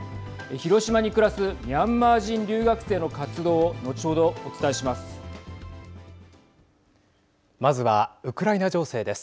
広島に暮らすミャンマー人留学生の活動を後ほどお伝えします。